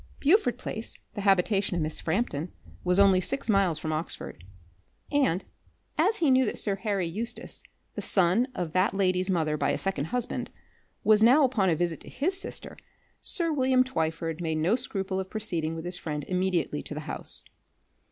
Beaufort Place, the habitation of Miss Frampton, was only six miles from Oxford. And, as he knew that Sir Harry Eustace, the son of that lady's mother by a second husband, was now upon a visit to his sister, sir William Twyford made no scruple of proceeding with his friend immediately to the house.